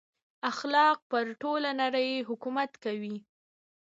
اخلاق پر ټوله نړۍ حکومت کوي.